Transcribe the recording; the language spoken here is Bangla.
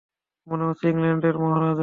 মনে হচ্ছে ইংল্যান্ডের মহারাজা!